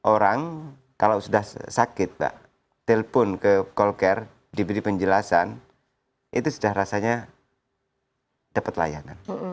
orang kalau sudah sakit pak telpon ke call care diberi penjelasan itu sudah rasanya dapat layanan